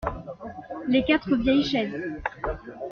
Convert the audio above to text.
Les quatre vieilles chaises.